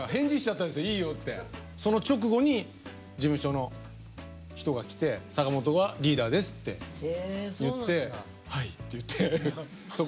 その直後に事務所の人が来て「坂本がリーダーです」って言って「はい」って言ってそこからリーダーに。